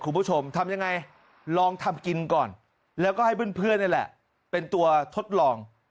คุณผู้ชมทำยังไงลองทำกินก่อนแล้วก็ให้เพื่อนนี่แหละเป็นตัวทดลอง